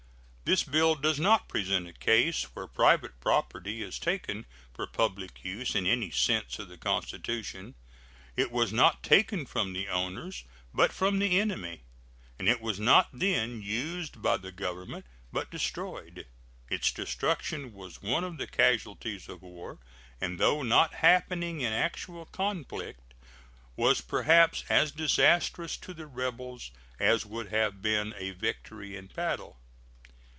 This bill does not present a case where private property is taken for public use in any sense of the Constitution. It was not taken from the owners, but from the enemy; and it was not then used by the Government, but destroyed. Its destruction was one of the casualties of war, and, though not happening in actual conflict, was perhaps as disastrous to the rebels as would have been a victory in battle.